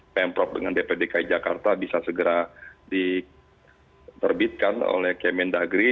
dan yang prop dengan dpdki jakarta bisa segera diperbitkan oleh kementerian negeri